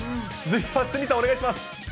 続いては鷲見さん、お願いします。